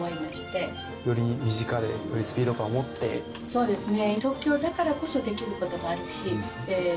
そうですね。